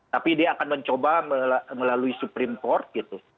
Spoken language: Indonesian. tapi dia akan mencoba melalui supreme port gitu